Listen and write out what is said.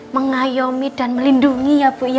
mengayomi dan melindungi ya bu